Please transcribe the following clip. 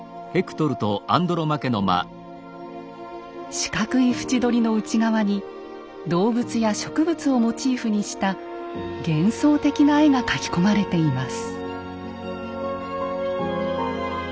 四角い縁取りの内側に動物や植物をモチーフにした幻想的な絵が描き込まれています。